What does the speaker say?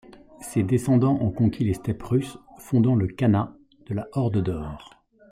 Ses descendants ont conquis les steppes russes, fondant le khanat de la Horde d'or.